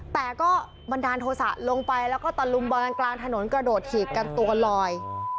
แต่ก็บันดาลโทษะลงไปแล้วก็ตะลุมบอลกันกลางถนนกระโดดถีบกันตัวลอย